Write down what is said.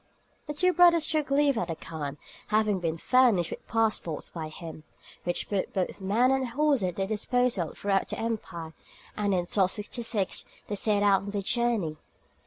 The two brothers took leave of the khan, having been furnished with passports by him, which put both men and horses at their disposal throughout the empire, and in 1266 they set out on their journey.